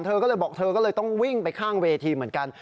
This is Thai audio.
เธอก็เลยบอกเธอก็เลยต้องวิ่งไปข้างเวทีเหมือนกัน